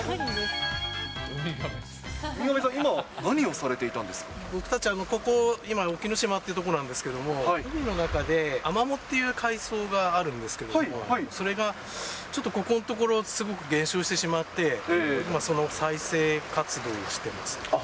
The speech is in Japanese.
ウミガメさん、今は何をされてい僕たち、ここ、今、沖ノ島っていう所なんですけど、海の中でアマモっていう海草があるんですけども、それが、ちょっとここのところ、すごく減少してしまって、その再生活動をしてます。